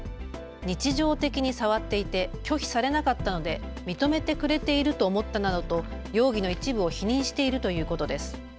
日常的に触っていて拒否されなかったので認めてくれていると思ったなどと容疑の一部を否認しているということです。